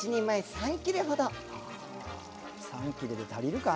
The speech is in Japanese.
３切れで足りるかな。